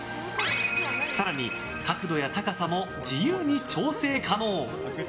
更に、角度や高さも自由に調整可能。